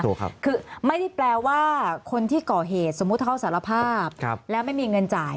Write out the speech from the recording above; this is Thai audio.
ถูกครับคือไม่ได้แปลว่าคนที่ก่อเหตุสมมุติเขาสารภาพแล้วไม่มีเงินจ่าย